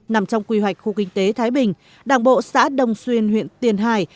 nằm trong quy hoạch khu kinh tế thái bình đảng bộ xã đông xuyên huyện tiền hải